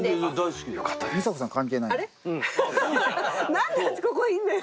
なんで私ここいるのよ？